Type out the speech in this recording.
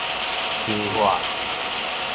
咻喝